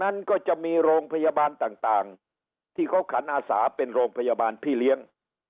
นั้นก็จะมีโรงพยาบาลต่างที่เขาขันอาสาเป็นโรงพยาบาลพี่เลี้ยง